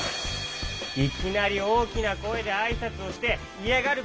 いきなりおおきなこえであいさつをしていやがる